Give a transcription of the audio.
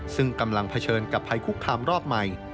ซึ่งกำลังเผชิญกับภัยคุกคามรอบใหม่